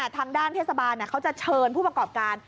ทางด้านเทศบาลเขาจะเชิญผู้ประกอบการ